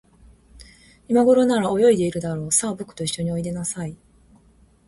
いまごろなら、泳いでいるだろう。さあ、ぼくといっしょにおいでなさい。